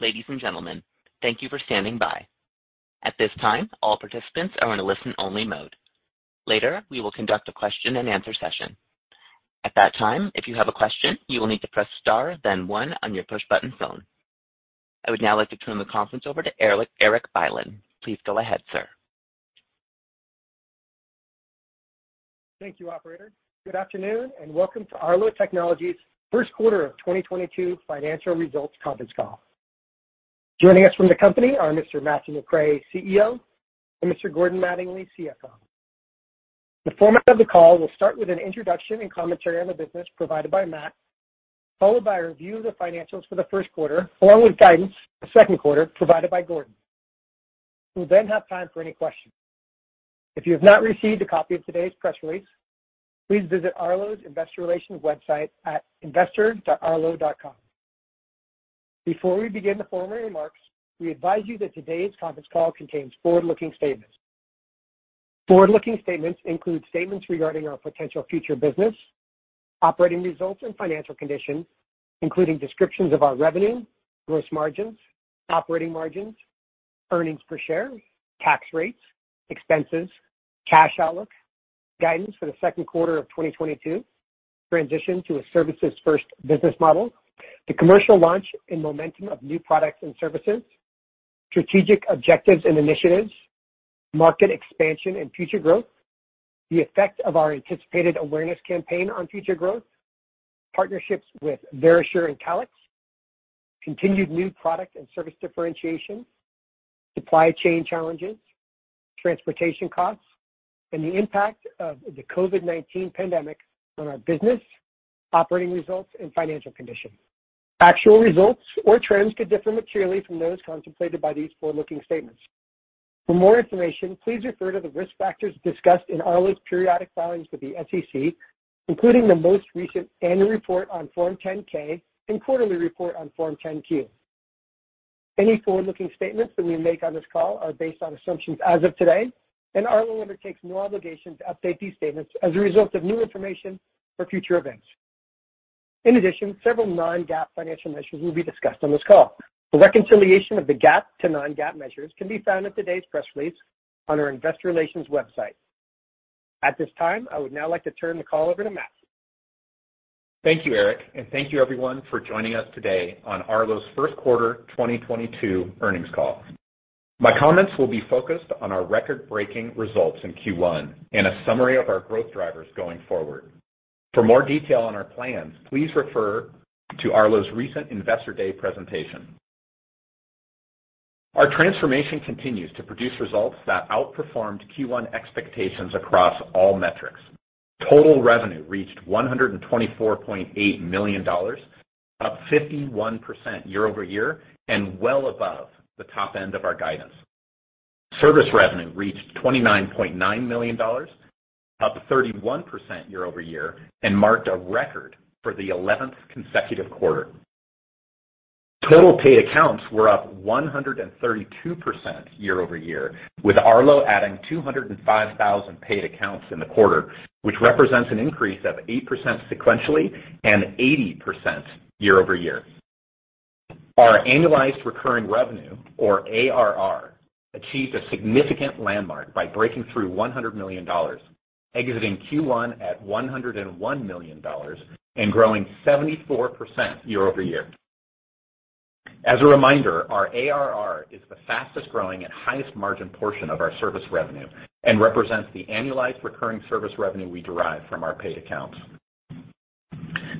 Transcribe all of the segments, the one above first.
Ladies and gentlemen, thank you for standing by. At this time, all participants are in a listen-only mode. Later, we will conduct a question and answer session. At that time, if you have a question, you will need to press star then one on your push button phone. I would now like to turn the conference over to Erik Bylin. Please go ahead, sir. Thank you, operator. Good afternoon, and welcome to Arlo Technologies' first quarter of 2022 financial results conference call. Joining us from the company are Mr. Matthew McRae, CEO, and Mr. Gordon Mattingly, CFO. The format of the call will start with an introduction and commentary on the business provided by Matt, followed by a review of the financials for the first quarter, along with guidance for the second quarter provided by Gordon. We'll then have time for any questions. If you have not received a copy of today's press release, please visit Arlo's investor relations website at investor.arlo.com. Before we begin the formal remarks, we advise you that today's conference call contains forward-looking statements. Forward-looking statements include statements regarding our potential future business, operating results and financial conditions, including descriptions of our revenue, gross margins, operating margins, earnings per share, tax rates, expenses, cash outlook, guidance for the second quarter of 2022, transition to a services first business model, the commercial launch and momentum of new products and services, strategic objectives and initiatives, market expansion and future growth, the effect of our anticipated awareness campaign on future growth, partnerships with Verisure and Calix, continued new product and service differentiation, supply chain challenges, transportation costs, and the impact of the COVID-19 pandemic on our business, operating results, and financial conditions. Actual results or trends could differ materially from those contemplated by these forward-looking statements. For more information, please refer to the risk factors discussed in Arlo's periodic filings with the SEC, including the most recent annual report on Form 10-K and quarterly report on Form 10-Q. Any forward-looking statements that we make on this call are based on assumptions as of today, and Arlo undertakes no obligation to update these statements as a result of new information or future events. In addition, several non-GAAP financial measures will be discussed on this call. A reconciliation of the GAAP to non-GAAP measures can be found at today's press release on our investor relations website. At this time, I would now like to turn the call over to Matt. Thank you, Erik, and thank you everyone for joining us today on Arlo's first quarter 2022 earnings call. My comments will be focused on our record-breaking results in Q1 and a summary of our growth drivers going forward. For more detail on our plans, please refer to Arlo's recent Investor Day presentation. Our transformation continues to produce results that outperformed Q1 expectations across all metrics. Total revenue reached $124.8 million, up 51% year-over-year and well above the top end of our guidance. Service revenue reached $29.9 million, up 31% year-over-year and marked a record for the 11th consecutive quarter. Total paid accounts were up 132% year-over-year, with Arlo adding 205,000 paid accounts in the quarter, which represents an increase of 8% sequentially and 80% year-over-year. Our annualized recurring revenue or ARR achieved a significant landmark by breaking through $100 million, exiting Q1 at $101 million and growing 74% year-over-year. As a reminder, our ARR is the fastest growing and highest margin portion of our service revenue and represents the annualized recurring service revenue we derive from our paid accounts.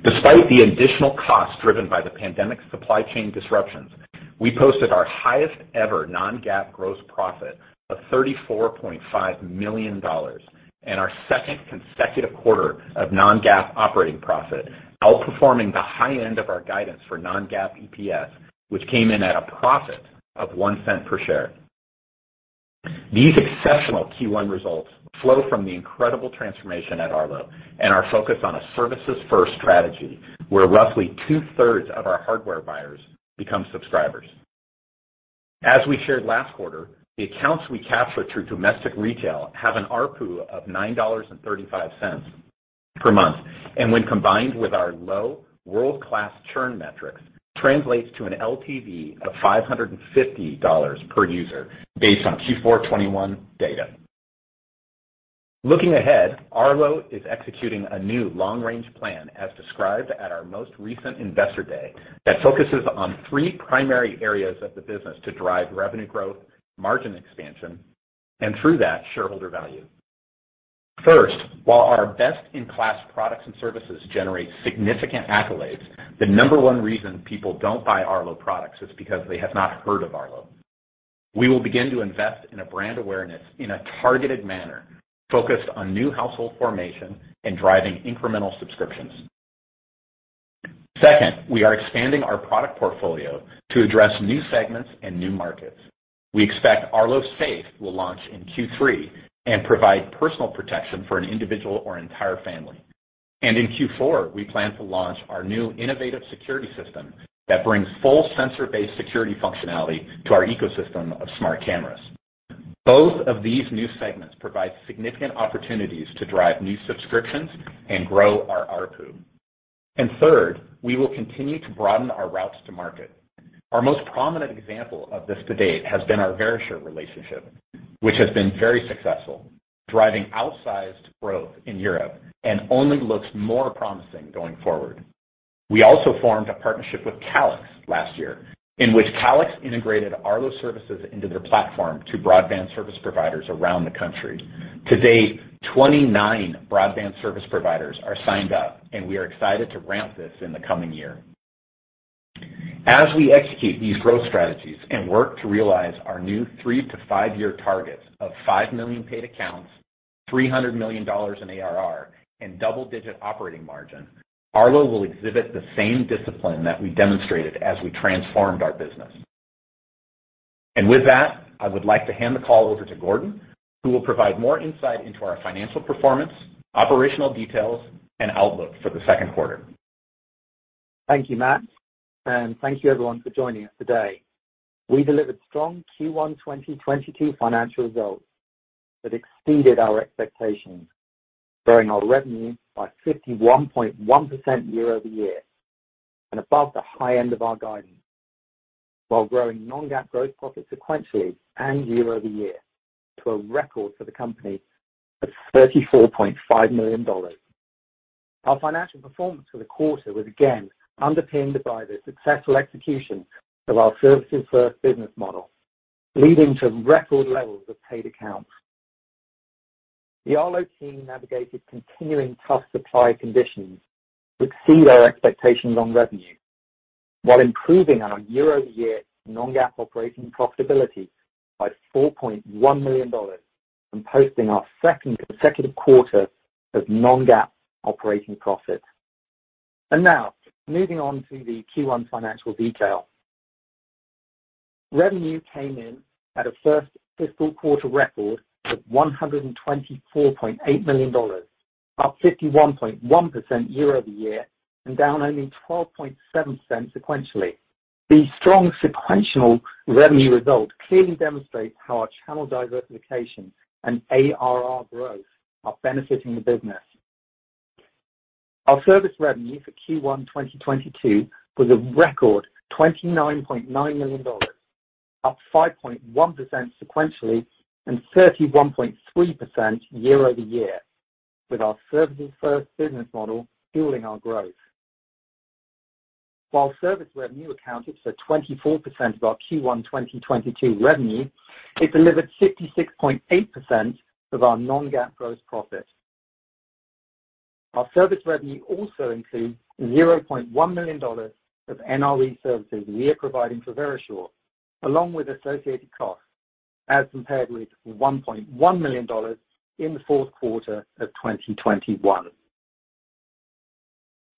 Despite the additional cost driven by the pandemic supply chain disruptions, we posted our highest-ever non-GAAP gross profit of $34.5 million and our second consecutive quarter of non-GAAP operating profit, outperforming the high end of our guidance for non-GAAP EPS, which came in at a profit of $0.01 per share. These exceptional Q1 results flow from the incredible transformation at Arlo and our focus on a services first strategy where roughly 2/3 of our hardware buyers become subscribers. As we shared last quarter, the accounts we capture through domestic retail have an ARPU of $9.35 per month, and when combined with our low world-class churn metrics, translates to an LTV of $550 per user based on Q4 2021 data. Looking ahead, Arlo is executing a new long-range plan as described at our most recent Investor Day that focuses on three primary areas of the business to drive revenue growth, margin expansion, and through that, shareholder value. First, while our best-in-class products and services generate significant accolades, the number one reason people don't buy Arlo products is because they have not heard of Arlo. We will begin to invest in a brand awareness in a targeted manner focused on new household formation and driving incremental subscriptions. Second, we are expanding our product portfolio to address new segments and new markets. We expect Arlo Safe will launch in Q3 and provide personal protection for an individual or entire family. In Q4, we plan to launch our new innovative security system that brings full sensor-based security functionality to our ecosystem of smart cameras. Both of these new segments provide significant opportunities to drive new subscriptions and grow our ARPU. Third, we will continue to broaden our routes to market. Our most prominent example of this to date has been our Verisure relationship, which has been very successful, driving outsized growth in Europe, and only looks more promising going forward. We also formed a partnership with Calix last year, in which Calix integrated Arlo services into their platform to broadband service providers around the country. To date, 29 broadband service providers are signed up, and we are excited to ramp this in the coming year. As we execute these growth strategies and work to realize our new 3-5 year targets of 5 million paid accounts, $300 million in ARR, and double-digit operating margin, Arlo will exhibit the same discipline that we demonstrated as we transformed our business. With that, I would like to hand the call over to Gordon, who will provide more insight into our financial performance, operational details, and outlook for the second quarter. Thank you, Matt, and thank you everyone for joining us today. We delivered strong Q1 2022 financial results that exceeded our expectations, growing our revenue by 51.1% year-over-year and above the high end of our guidance, while growing non-GAAP gross profit sequentially and year-over-year to a record for the company of $34.5 million. Our financial performance for the quarter was again underpinned by the successful execution of our services first business model, leading to record levels of paid accounts. The Arlo team navigated continuing tough supply conditions, which exceeded expectations on revenue while improving our year-over-year non-GAAP operating profitability by $4.1 million and posting our second consecutive quarter of non-GAAP operating profit. Now moving on to the Q1 financial detail. Revenue came in at a first fiscal quarter record of $124.8 million, up 51.1% year-over-year and down only 12.7% sequentially. The strong sequential revenue result clearly demonstrates how our channel diversification and ARR growth are benefiting the business. Our service revenue for Q1 2022 was a record $29.9 million, up 5.1% sequentially and 31.3% year-over-year, with our services first business model fueling our growth. While service revenue accounted for 24% of our Q1 2022 revenue, it delivered 66.8% of our non-GAAP gross profit. Our service revenue also includes $0.1 million of NRE services we are providing for Verisure, along with associated costs, as compared with $1.1 million in the fourth quarter of 2021.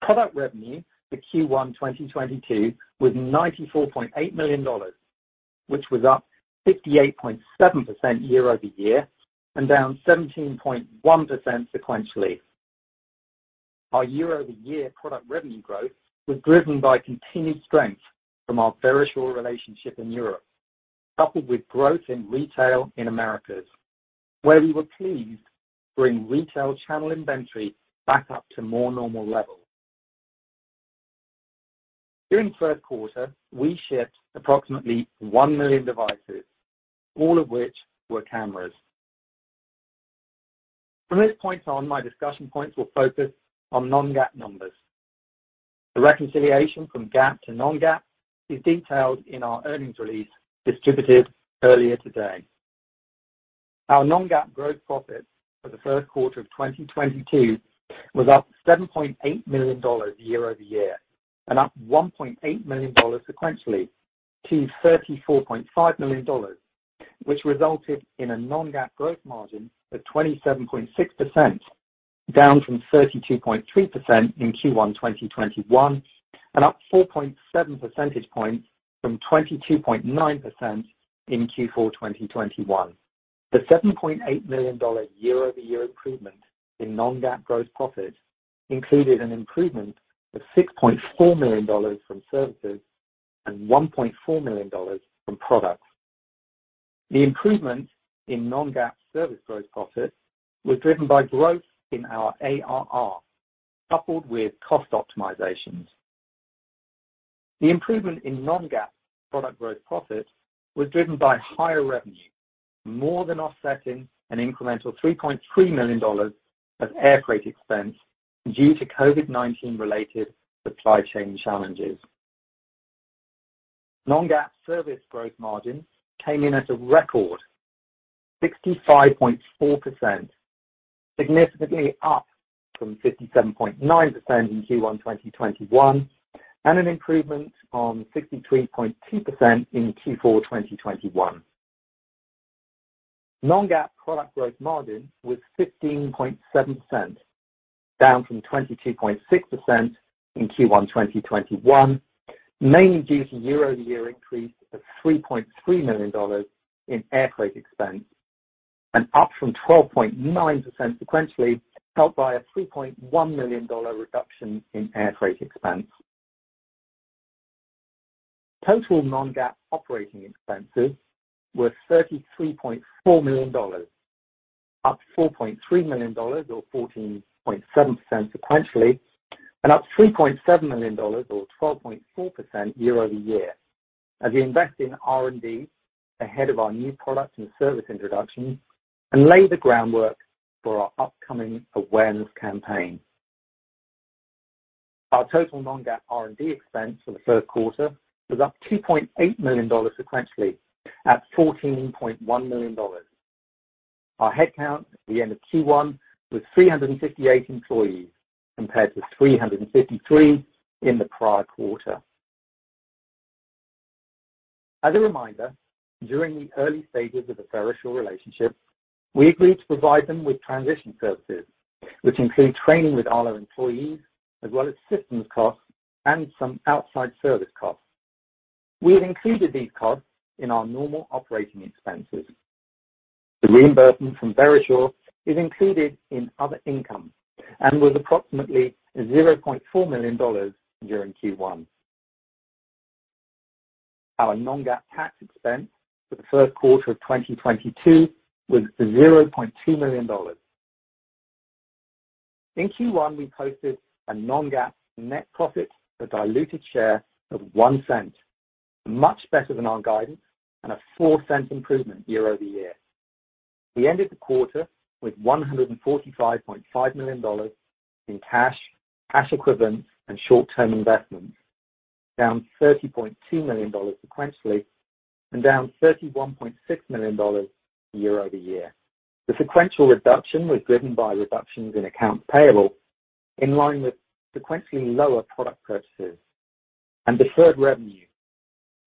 Product revenue for Q1 2022 was $94.8 million, which was up 58.7% year-over-year and down 17.1% sequentially. Our year-over-year product revenue growth was driven by continued strength from our Verisure relationship in Europe, coupled with growth in retail in Americas, where we were pleased to bring retail channel inventory back up to more normal levels. During the first quarter, we shipped approximately 1 million devices, all of which were cameras. From this point on, my discussion points will focus on non-GAAP numbers. The reconciliation from GAAP to non-GAAP is detailed in our earnings release distributed earlier today. Our non-GAAP gross profit for the first quarter of 2022 was up $7.8 million year-over-year and up $1.8 million sequentially to $34.5 million, which resulted in a non-GAAP gross margin of 27.6%, down from 32.3% in Q1 2021 and up 4.7 percentage points from 22.9% in Q4 2021. The $7.8 million year-over-year improvement in non-GAAP gross profit included an improvement of $6.4 million from services and $1.4 million from products. The improvement in non-GAAP service gross profit was driven by growth in our ARR coupled with cost optimizations. The improvement in non-GAAP product gross profit was driven by higher revenue, more than offsetting an incremental $3.3 million of airfreight expense due to COVID-19 related supply chain challenges. Non-GAAP service growth margin came in at a record 65.4%, significantly up from 57.9% in Q1 2021, and an improvement on 63.2% in Q4 2021. Non-GAAP product growth margin was 15.7%, down from 22.6% in Q1 2021, mainly due to year-over-year increase of $3.3 million in airfreight expense, and up from 12.9% sequentially, helped by a $3.1 million reduction in airfreight expense. Total non-GAAP operating expenses were $33.4 million, up $4.3 million or 14.7% sequentially, and up $3.7 million or 12.4% year-over-year as we invest in R&D ahead of our new product and service introductions and lay the groundwork for our upcoming awareness campaign. Our total non-GAAP R&D expense for the third quarter was up $2.8 million sequentially at $14.1 million. Our headcount at the end of Q1 was 358 employees, compared to 353 in the prior quarter. As a reminder, during the early stages of the Verisure relationship, we agreed to provide them with transition services, which include training with Arlo employees as well as systems costs and some outside service costs. We have included these costs in our normal operating expenses. The reimbursement from Verisure is included in other income and was approximately $0.4 million during Q1. Our non-GAAP tax expense for the first quarter of 2022 was $0.2 million. In Q1, we posted a non-GAAP net profit per diluted share of $0.01, much better than our guidance and a $0.04 improvement year over year. We ended the quarter with $145.5 million in cash equivalents and short-term investments, down $30.2 million sequentially and down $31.6 million year-over-year. The sequential reduction was driven by reductions in accounts payable in line with sequentially lower product purchases and deferred revenue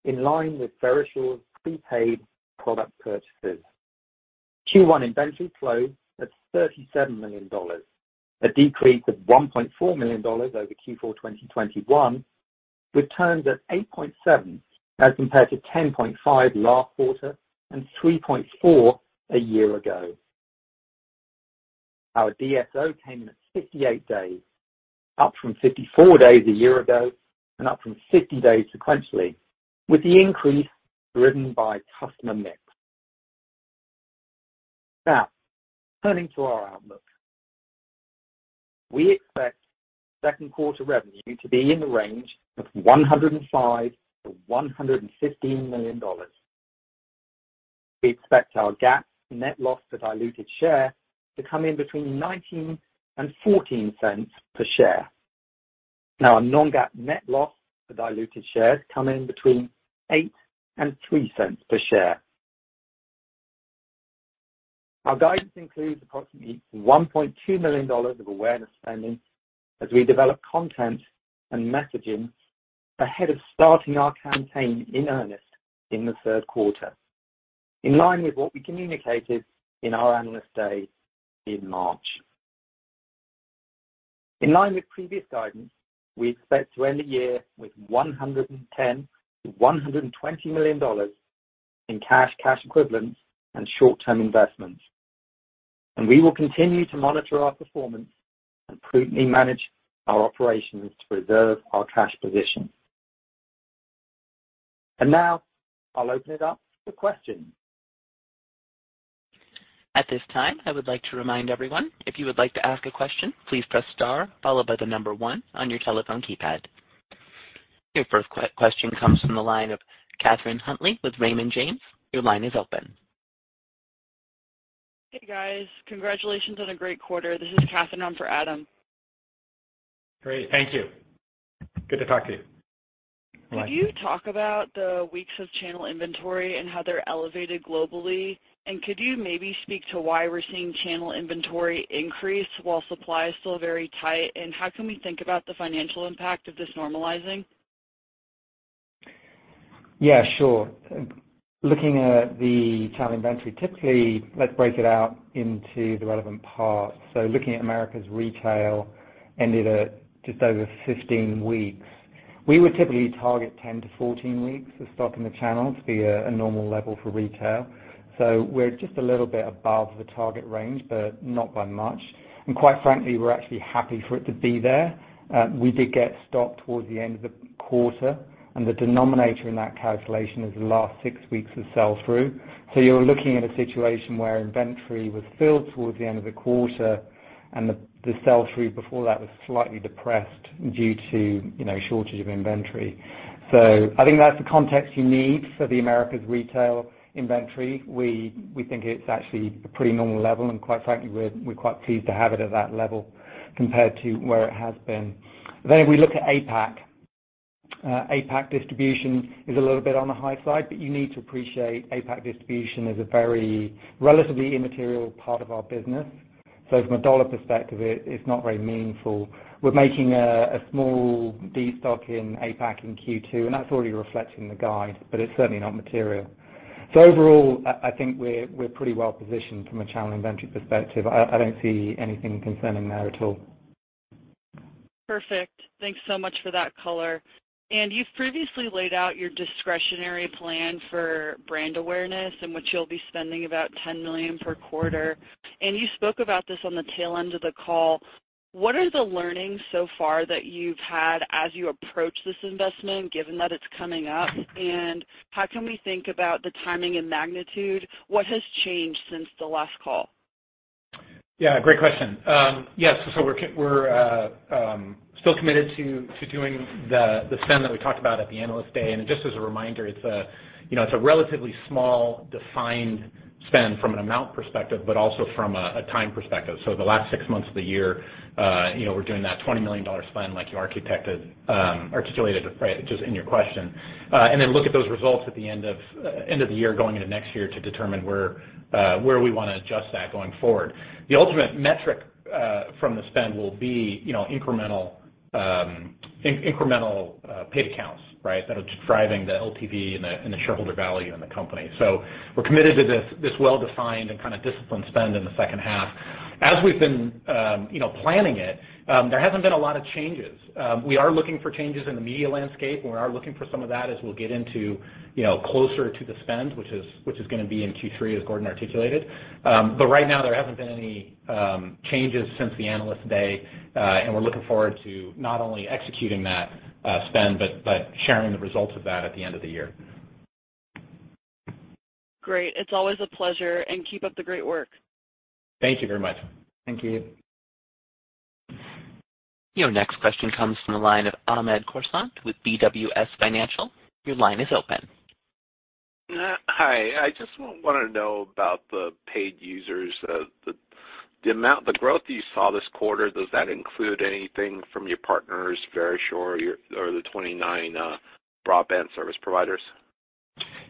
in line with Verisure's prepaid product purchases. Q1 inventory flows at $37 million, a decrease of $1.4 million over Q4 2021, with turns at 8.7 as compared to 10.5 last quarter and 3.4 a year ago. Our DSO came in at 58 days, up from 54 days a year ago and up from 50 days sequentially, with the increase driven by customer mix. Now, turning to our outlook. We expect second quarter revenue to be in the range of $105 million-$115 million. We expect our GAAP net loss per diluted share to come in between $0.19 and $0.14 per share. Now our non-GAAP net loss per diluted share comes in between $0.08 and $0.03 per share. Our guidance includes approximately $1.2 million of awareness spending as we develop content and messaging ahead of starting our campaign in earnest in the third quarter. In line with what we communicated in our Analyst Day in March. In line with previous guidance, we expect to end the year with $110 million-$120 million in cash equivalents, and short-term investments. We will continue to monitor our performance and prudently manage our operations to preserve our cash position. Now I'll open it up for questions. At this time, I would like to remind everyone, if you would like to ask a question, please press star followed by the number one on your telephone keypad. Your first question comes from the line of Catherine Huntley with Raymond James. Your line is open. Hey, guys. Congratulations on a great quarter. This is Catherine on for Adam. Great. Thank you. Good to talk to you. Could you talk about the weeks of channel inventory and how they're elevated globally, and could you maybe speak to why we're seeing channel inventory increase while supply is still very tight, and how can we think about the financial impact of this normalizing? Yeah, sure. Looking at the channel inventory, typically, let's break it out into the relevant parts. Looking at Americas Retail ended at just over 15 weeks. We would typically target 10-14 weeks of stock in the channel to be a normal level for retail. We're just a little bit above the target range, but not by much. Quite frankly, we're actually happy for it to be there. We did get stock towards the end of the quarter, and the denominator in that calculation is the last six weeks of sell-through. You're looking at a situation where inventory was filled towards the end of the quarter and the sell-through before that was slightly depressed due to, you know, shortage of inventory. I think that's the context you need for the Americas Retail inventory. We think it's actually a pretty normal level, and quite frankly, we're quite pleased to have it at that level compared to where it has been. If we look at APAC distribution is a little bit on the high side, but you need to appreciate APAC distribution is a very relatively immaterial part of our business. From a dollar perspective, it's not very meaningful. We're making a small destock in APAC in Q2, and that's already reflected in the guide, but it's certainly not material. Overall, I think we're pretty well positioned from a channel inventory perspective. I don't see anything concerning there at all. Perfect. Thanks so much for that color. You've previously laid out your discretionary plan for brand awareness, in which you'll be spending about $10 million per quarter. You spoke about this on the tail end of the call. What are the learnings so far that you've had as you approach this investment, given that it's coming up? How can we think about the timing and magnitude? What has changed since the last call? Yeah, great question. Yes. We're still committed to doing the spend that we talked about at the Analyst Day. Just as a reminder, it's a, you know, it's a relatively small defined spend from an amount perspective, but also from a time perspective. The last six months of the year, you know, we're doing that $20 million spend like you articulated, right, just in your question. Then look at those results at the end of the year going into next year to determine where we wanna adjust that going forward. The ultimate metric from the spend will be, you know, incremental paid accounts, right? That are driving the LTV and the shareholder value in the company. We're committed to this well-defined and kind of disciplined spend in the second half. As we've been you know planning it, there hasn't been a lot of changes. We are looking for changes in the media landscape, and we are looking for some of that as we'll get into you know closer to the spend, which is gonna be in Q3, as Gordon articulated. Right now, there hasn't been any changes since the Analyst Day. We're looking forward to not only executing that spend, but sharing the results of that at the end of the year. Great. It's always a pleasure, and keep up the great work. Thank you very much. Thank you. Your next question comes from the line of Hamed Khorsand with BWS Financial. Your line is open. Hi. I just wanted to know about the paid users. The amount, the growth that you saw this quarter, does that include anything from your partners, Verisure or your, or the 29 broadband service providers?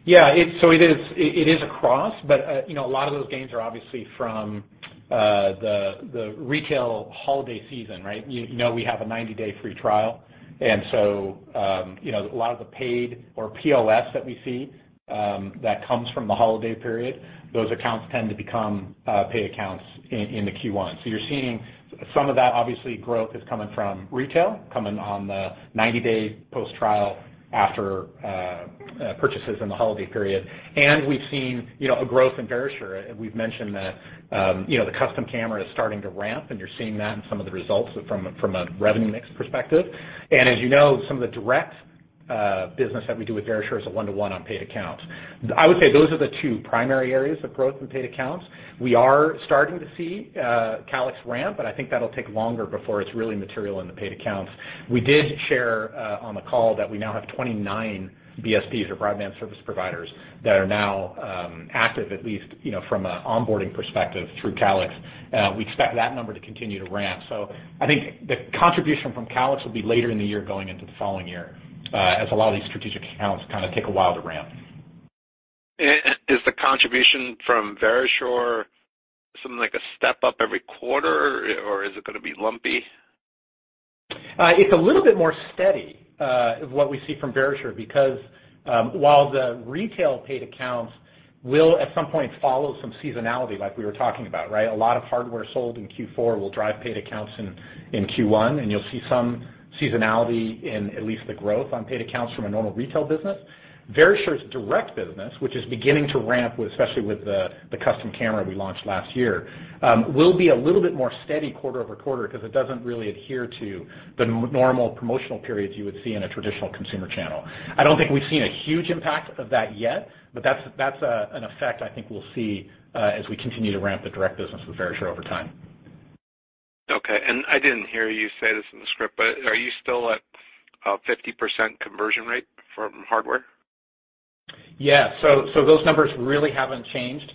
It is across, but you know, a lot of those gains are obviously from the retail holiday season, right? You know we have a 90-day free trial. You know, a lot of the paid or PAs that we see that comes from the holiday period, those accounts tend to become paid accounts in the Q1. You're seeing some of that. Obviously, growth is coming from retail, coming on the 90-day post-trial after purchases in the holiday period. We've seen you know, a growth in Verisure. We've mentioned that. You know, the custom camera is starting to ramp, and you're seeing that in some of the results from a revenue mix perspective. As you know, some of the direct business that we do with Verisure is a one-to-one on paid accounts. I would say those are the two primary areas of growth in paid accounts. We are starting to see Calix ramp, and I think that'll take longer before it's really material in the paid accounts. We did share on the call that we now have 29 BSPs or broadband service providers that are now active, at least, you know, from an onboarding perspective through Calix. We expect that number to continue to ramp. I think the contribution from Calix will be later in the year going into the following year, as a lot of these strategic accounts kinda take a while to ramp. Is the contribution from Verisure something like a step up every quarter, or is it gonna be lumpy? It's a little bit more steady what we see from Verisure. While the retail paid accounts will, at some point, follow some seasonality like we were talking about, right? A lot of hardware sold in Q4 will drive paid accounts in Q1, and you'll see some seasonality in at least the growth on paid accounts from a normal retail business. Verisure's direct business, which is beginning to ramp with, especially with the custom camera we launched last year, will be a little bit more steady quarter over quarter because it doesn't really adhere to the normal promotional periods you would see in a traditional consumer channel. I don't think we've seen a huge impact of that yet, but that's an effect I think we'll see, as we continue to ramp the direct business with Verisure over time. Okay. I didn't hear you say this in the script, but are you still at a 50% conversion rate from hardware? Yeah, those numbers really haven't changed.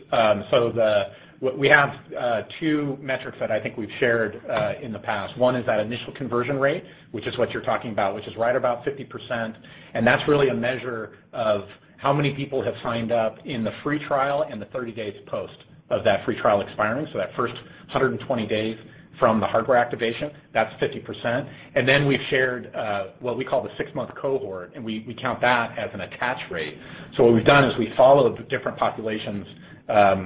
We have two metrics that I think we've shared in the past. One is that initial conversion rate, which is what you're talking about, which is right about 50%, and that's really a measure of how many people have signed up in the free trial and the 30 days post of that free trial expiring. That first 120 days from the hardware activation, that's 50%. Then we've shared what we call the six-month cohort, and we count that as an attach rate. What we've done is we follow the different populations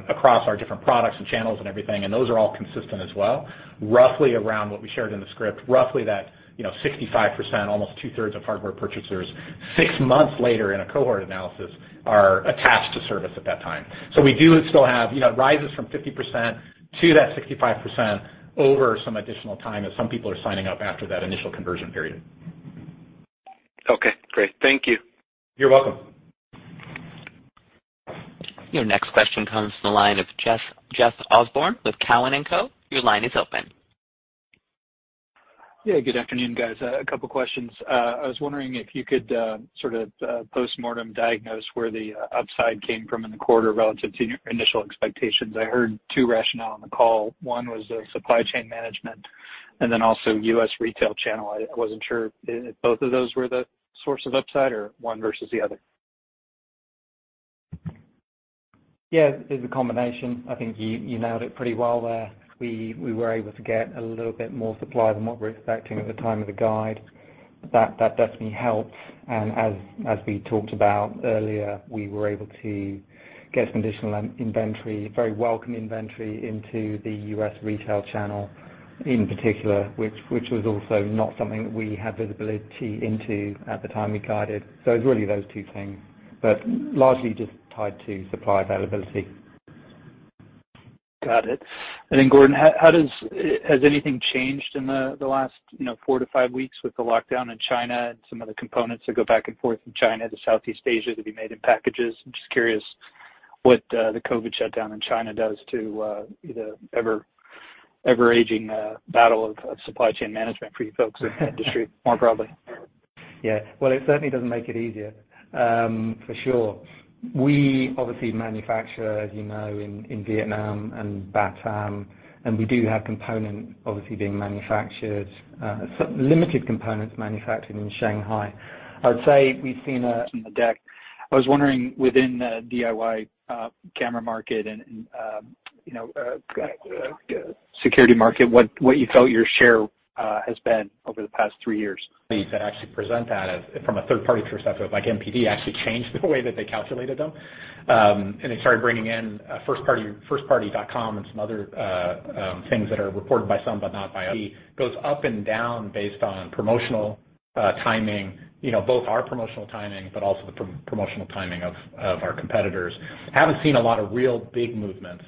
across our different products and channels and everything, and those are all consistent as well, roughly around what we shared in the script. Roughly that, you know, 65%, almost 2/3 of hardware purchasers, six months later in a cohort analysis are attached to service at that time. We do still have, you know, it rises from 50% to that 65% over some additional time as some people are signing up after that initial conversion period. Okay, great. Thank you. You're welcome. Your next question comes from the line of Jeff Osborne with Cowen and Company. Your line is open. Yeah, good afternoon, guys. A couple questions. I was wondering if you could, sort of, postmortem diagnose where the upside came from in the quarter relative to your initial expectations. I heard two rationale on the call. One was the supply chain management, and then also U.S. retail channel. I wasn't sure if both of those were the source of upside or one versus the other. Yeah. It's a combination. I think you nailed it pretty well there. We were able to get a little bit more supply than what we were expecting at the time of the guide. That definitely helps. As we talked about earlier, we were able to get some additional inventory, very welcome inventory into the U.S. retail channel in particular, which was also not something that we had visibility into at the time we guided. It's really those two things, but largely just tied to supply availability. Got it. Gordon, how has anything changed in the last, you know, 4-5 weeks with the lockdown in China and some of the components that go back and forth from China to Southeast Asia to be made in packages? I'm just curious what the COVID shutdown in China does to the ever-aging battle of supply chain management for you folks in the industry more broadly. Yeah. Well, it certainly doesn't make it easier, for sure. We obviously manufacture, as you know, in Vietnam and Batam, and we do have components obviously being manufactured, limited components manufactured in Shanghai. I would say we've seen a In the deck, I was wondering within the DIY camera market and, you know, security market, what you felt your share has been over the past three years? To actually present that as from a third-party perspective, like NPD actually changed the way that they calculated them. They started bringing in first party, firstparty.com and some other things that are reported by some but not by. It goes up and down based on promotional timing, you know, both our promotional timing but also the promotional timing of our competitors. Haven't seen a lot of real big movements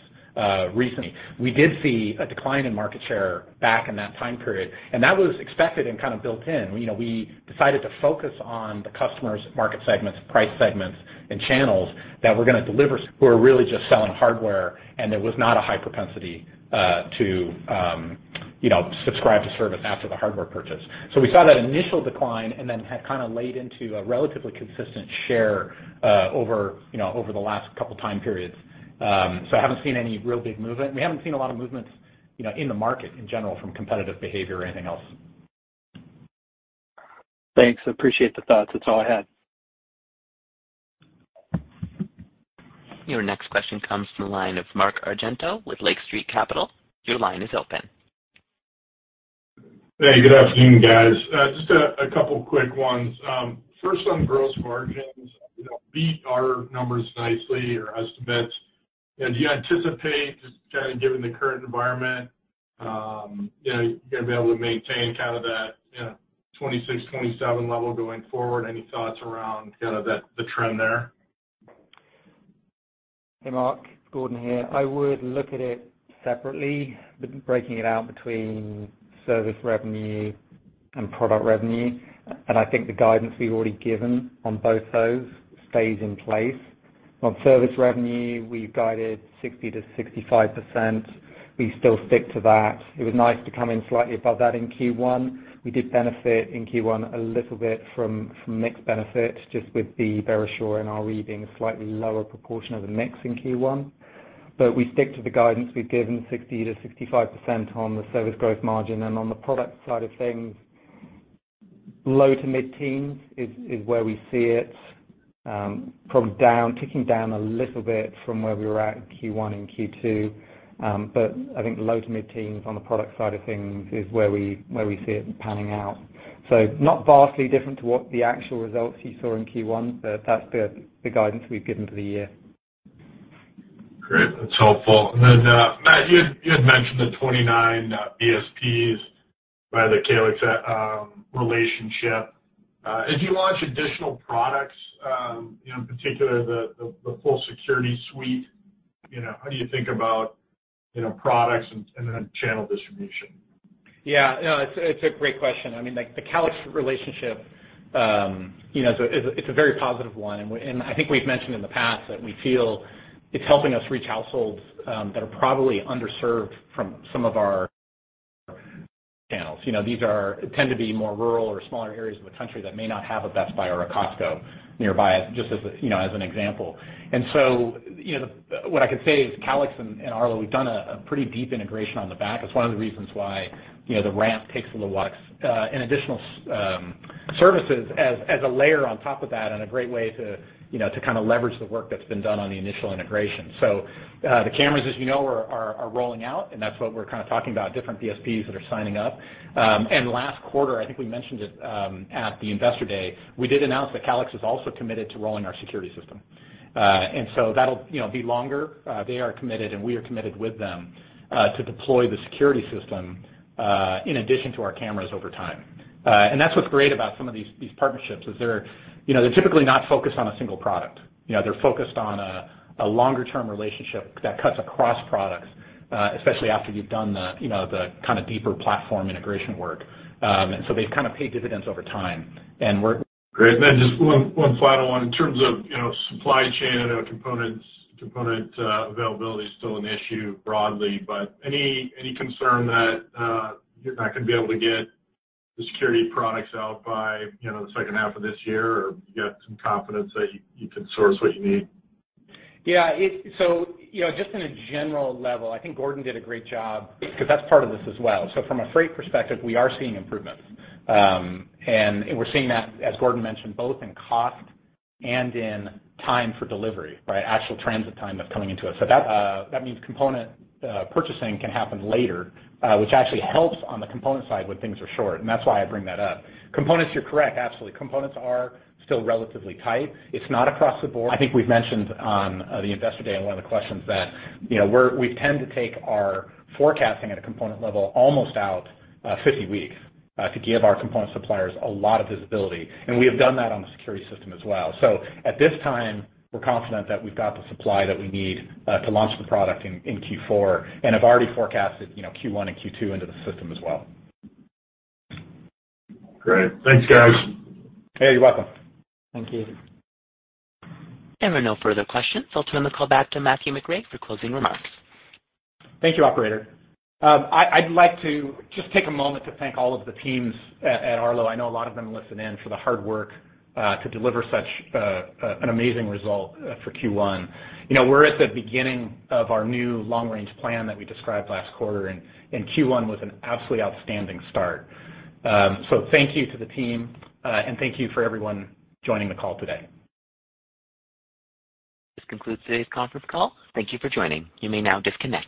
recently. We did see a decline in market share back in that time period, and that was expected and kind of built in. You know, we decided to focus on the customers, market segments, price segments and channels that were gonna deliver. We're really just selling hardware, and there was not a high propensity to, you know, subscribe to service after the hardware purchase. We saw that initial decline and then had kinda laid into a relatively consistent share over, you know, over the last couple of time periods. I haven't seen any real big movement. We haven't seen a lot of movements, you know, in the market in general from competitive behavior or anything else. Thanks. I appreciate the thoughts. That's all I had. Your next question comes from the line of Mark Argento with Lake Street Capital Markets. Your line is open. Hey, good afternoon, guys. Just a couple of quick ones. First on gross margins, you know, beat our numbers nicely or estimates. Do you anticipate just kind of given the current environment, you know, you're gonna be able to maintain kind of that, you know, 26%-27% level going forward? Any thoughts around kinda the trend there? Hey, Mark, Gordon here. I would look at it separately, breaking it out between service revenue and product revenue. I think the guidance we've already given on both those stays in place. On service revenue, we've guided 60%-65%. We still stick to that. It was nice to come in slightly above that in Q1. We did benefit in Q1 a little bit from mix benefit, just with the Verisure NRE being a slightly lower proportion of the mix in Q1. We stick to the guidance we've given, 60%-65% on the service growth margin. On the product side of things, low to mid-teens is where we see it, probably down, ticking down a little bit from where we were at in Q1 and Q2. I think low- to mid-teens% on the product side of things is where we see it panning out. Not vastly different to what the actual results you saw in Q1, that's the guidance we've given for the year. Great. That's helpful. Matt, you had mentioned the 29 BSPs by the Calix relationship. As you launch additional products, in particular the full security suite, you know, how do you think about, you know, products and then channel distribution? Yeah, no, it's a great question. I mean, like, the Calix relationship, you know, it's a very positive one, and I think we've mentioned in the past that we feel it's helping us reach households that are probably underserved from some of our channels. You know, these tend to be more rural or smaller areas of the country that may not have a Best Buy or a Costco nearby, just as, you know, as an example. You know, what I can say is Calix and Arlo, we've done a pretty deep integration on the back. That's one of the reasons why, you know, the ramp takes a little while. In additional services as a layer on top of that and a great way to, you know, to kinda leverage the work that's been done on the initial integration. The cameras, as you know, are rolling out, and that's what we're kinda talking about, different BSPs that are signing up. Last quarter, I think we mentioned it, at the Investor Day, we did announce that Calix is also committed to rolling our security system. That'll, you know, be longer. They are committed, and we are committed with them, to deploy the security system, in addition to our cameras over time. And that's what's great about some of these partnerships is they're, you know, they're typically not focused on a single product. You know, they're focused on a longer-term relationship that cuts across products, especially after you've done the, you know, the kinda deeper platform integration work. They've kinda paid dividends over time. Great. Just one final one. In terms of, you know, supply chain, I know components availability is still an issue broadly, but any concern that you're not gonna be able to get the security products out by, you know, the second half of this year, or you got some confidence that you can source what you need? Yeah. You know, just on a general level, I think Gordon did a great job 'cause that's part of this as well. From a freight perspective, we are seeing improvements. We're seeing that, as Gordon mentioned, both in cost and in time for delivery, right? Actual transit time that's coming into us. That means component purchasing can happen later, which actually helps on the component side when things are short, and that's why I bring that up. Components, you're correct, absolutely. Components are still relatively tight. It's not across the board. I think we've mentioned on the Investor Day on one of the questions that, you know, we tend to take our forecasting at a component level almost out 50 weeks to give our component suppliers a lot of visibility, and we have done that on the security system as well. At this time, we're confident that we've got the supply that we need to launch the product in Q4 and have already forecasted, you know, Q1 and Q2 into the system as well. Great. Thanks, guys. Hey, you're welcome. Thank you. There are no further questions. I'll turn the call back to Matthew McRae for closing remarks. Thank you, operator. I'd like to just take a moment to thank all of the teams at Arlo. I know a lot of them listen in, for the hard work to deliver such an amazing result for Q1. You know, we're at the beginning of our new long-range plan that we described last quarter, and Q1 was an absolutely outstanding start. Thank you to the team, and thank you for everyone joining the call today. This concludes today's conference call. Thank you for joining. You may now disconnect.